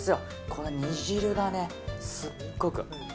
この煮汁がすごく。